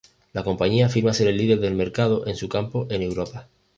La compañía afirma ser el líder del mercado en su campo en Europa.